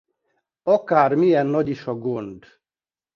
Akármilyen nagy is a gond.